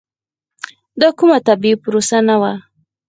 دا کومه طبیعي پروسه نه وه.